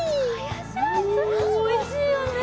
おいしいよね。